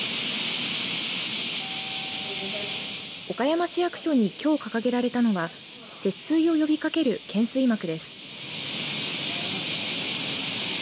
岡山市役所にきょう掲げられたのは節水を呼びかける懸垂幕です。